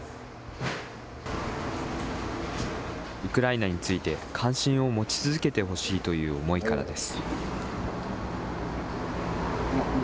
ウクライナについて関心を持ち続けてほしいという思いからです。